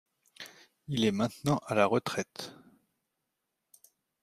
Il est maintenant à la retraite.